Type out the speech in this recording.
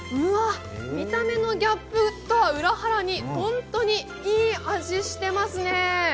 見た目のギャップとは裏腹に本当にいい味してますね。